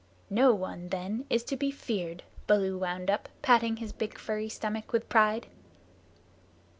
"No one then is to be feared," Baloo wound up, patting his big furry stomach with pride.